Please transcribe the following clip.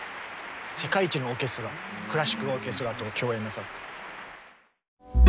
世界一のオーケストラクラシックオーケストラと共演なさった。